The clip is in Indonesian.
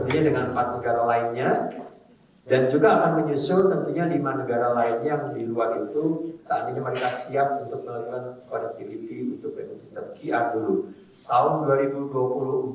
negara lain yang di luar itu saat ini mereka siap untuk melakukan konektivitas pembayaran sistem qr dulu